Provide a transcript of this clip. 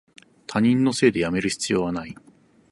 他人のせいでやめる必要はない